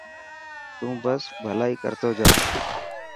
تون بس ڀلائ ڪر تو جا.